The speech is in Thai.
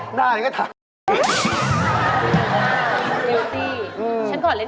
หน้าหน่อยก็ถาม